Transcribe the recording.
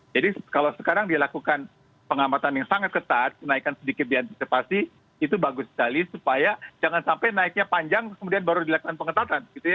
jadi kalau sekarang dilakukan pengamatan yang sangat ketat kenaikan sedikit diantisipasi itu bagus sekali supaya jangan sampai naiknya panjang kemudian baru dilakukan pengetatan